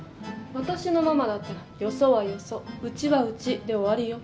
私のママだったら「よそはよそうちはうち」で終わりよ。